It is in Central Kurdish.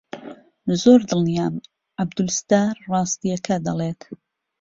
زۆر دڵنیام عەبدولستار ڕاستییەکە دەڵێت.